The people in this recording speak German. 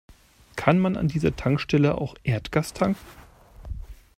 Kann man an dieser Tankstelle auch Erdgas tanken?